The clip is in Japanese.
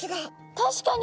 確かに！